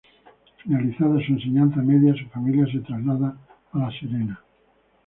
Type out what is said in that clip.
Finalizada su enseñanza media su familia se traslada a La Serena.